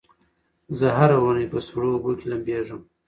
زه هره اونۍ په سړو اوبو کې لمبېږم.